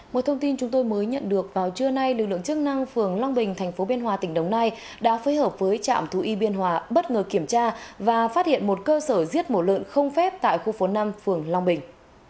một thông tin chúng tôi mới nhận được vào trưa nay lực lượng chức năng phường long bình tp biên hòa tỉnh đồng nai đã phối hợp với trạm thú y biên hòa bất ngờ kiểm tra và phát hiện một cơ sở giết mổ lợn không phép tại khu phố năm phường long bình